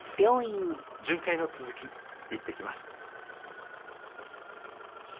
巡回の続き行ってきます。